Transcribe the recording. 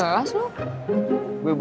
daftar si gmailpei